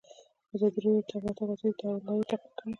ازادي راډیو د د تګ راتګ ازادي د تحول لړۍ تعقیب کړې.